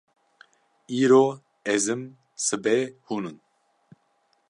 Îro ez im sibê hûn in